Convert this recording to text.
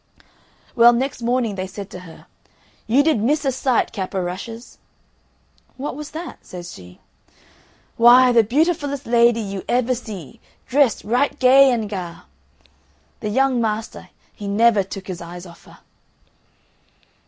Well, next morning they said to her, "You did miss a sight, Cap o' Rushes!" "What was that?" says she. "Why, the beautifullest lady you ever see, dressed right gay and ga'. The young master, he never took his eyes off her."